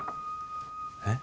え？